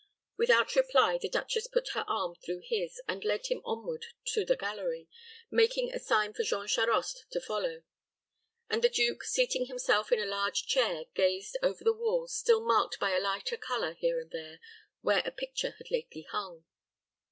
Without reply, the duchess put her arm through his, and led him onward to the gallery, making a sign for Jean Charost to follow; and the duke, seating himself in a large chair, gazed over the walls, still marked by a lighter color here and there where a picture had lately hung.